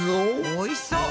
おいしそう！